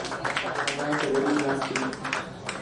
اوانک ریڑھی لاݨ تی